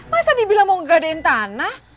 masa dibilang mau gegadahin tanah